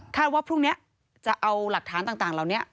ว่าพรุ่งนี้จะเอาหลักฐานต่างเหล่านี้